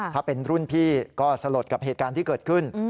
ถ้าเป็นรุ่นพี่ก็สลดกับเหตุการณ์ที่เกิดขึ้น